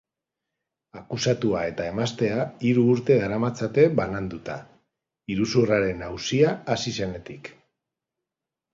Akusatua eta emaztea hiru urte daramatzate bananduta, iruzurraren auzia hasi zenetik.